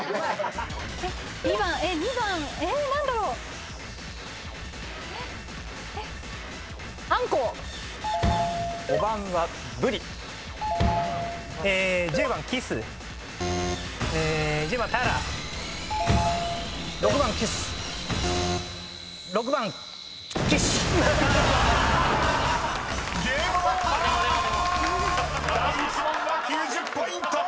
［第１問は９０ポイント！］